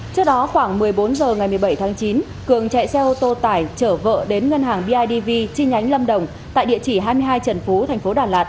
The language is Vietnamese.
trước đó khoảng một mươi bốn h ngày một mươi bảy tháng chín cường chạy xe ô tô tải chở vợ đến ngân hàng bidv chi nhánh lâm đồng tại địa chỉ hai mươi hai trần phú thành phố đà lạt